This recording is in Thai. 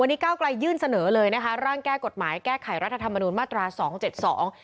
วันนี้ก้าวไกลยื่นเสนอเลยนะคะร่างแก้กฎหมายแก้ไขรัฐธรรมนูญมาตราสองเจ็ดสอง